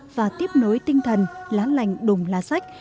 và tiếp nối tinh thần lá lành đùm lá sách